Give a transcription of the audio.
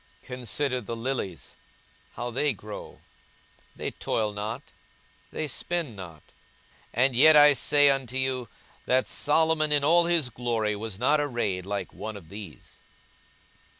42:012:027 Consider the lilies how they grow: they toil not, they spin not; and yet I say unto you, that Solomon in all his glory was not arrayed like one of these.